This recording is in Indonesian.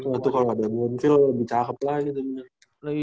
itu kalau ada bonville lebih cakep lagi